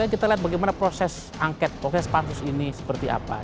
kita lihat bagaimana proses angket proses pansus ini seperti apa